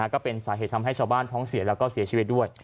ก็เป็นสาเหตุทำให้ชาวบ้านท้องเสียแล้วก็เสียชีวิตด้วย